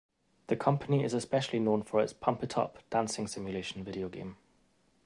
The company is especially known for its "Pump It Up" dancing simulation video game.